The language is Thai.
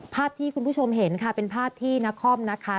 ภาพที่คุณผู้ชมเห็นค่ะเป็นภาพที่นครนะคะ